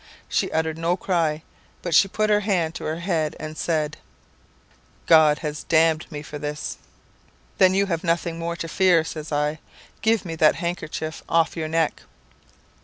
She uttered no cry, but she put her hand to her head, and said, "'God has damned me for this.' "'Then you have nothing more to fear,' says I. 'Give me that handkerchief off your neck.'